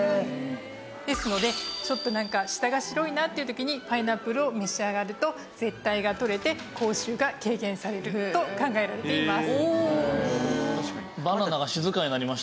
ですのでちょっとなんか舌が白いなっていう時にパイナップルを召し上がると舌苔が取れて口臭が軽減されると考えられています。